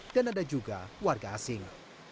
dan ada juga warga asing